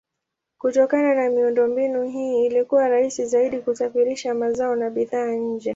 Kutokana na miundombinu hii ilikuwa rahisi zaidi kusafirisha mazao na bidhaa nje.